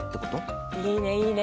いいねいいね。